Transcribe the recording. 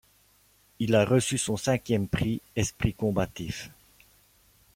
Il a reçu son cinquième prix Esprit combatif.